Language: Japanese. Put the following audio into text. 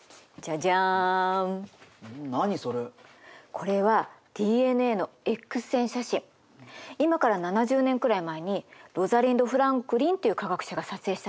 これは今から７０年くらい前にロザリンド・フランクリンっていう科学者が撮影したの。